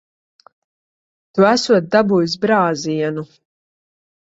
Tu esot dabūjis brāzienu.